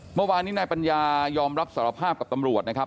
เมื่อวานนี้นายปัญญายอมรับสารภาพกับตำรวจนะครับ